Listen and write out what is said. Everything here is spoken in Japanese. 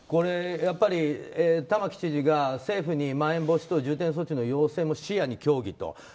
やっぱり玉城知事が政府に、まん延防止等重点措置の要請も視野に協議と。